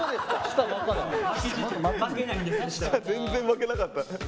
舌全然巻けなかったね。